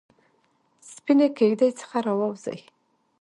سپینې کیږ دۍ څخه راووزي